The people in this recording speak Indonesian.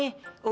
nih ya allah